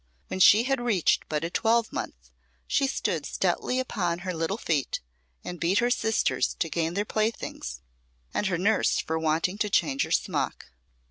When she had reached but a twelvemonth, she stood stoutly upon her little feet, and beat her sisters to gain their playthings, and her nurse for wanting to change her smock.